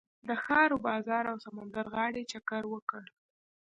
د ښار و بازار او سمندر غاړې چکر وکړ.